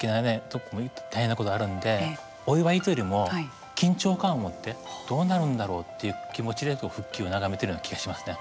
どこも大変なことあるんでお祝いというよりも緊張感を持ってどうなるんだろうっていう気持ちで復帰を眺めてるような気がしますね。